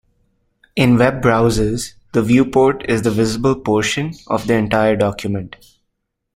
In web browsers, the viewport is the visible portion of the entire document.